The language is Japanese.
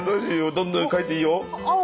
どんどん描いていいよ。